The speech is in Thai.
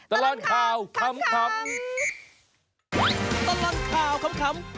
ตลาดข่าวข้ำ